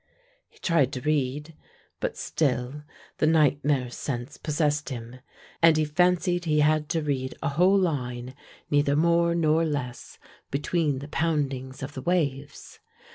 He tried to read, but still the nightmare sense possessed him, and he fancied he had to read a whole line, neither more nor less, between the poundings of the waves.